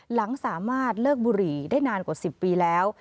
หลังสามารถเลิกบุหรี่ได้นานกว่า๑๐ปีแล้ว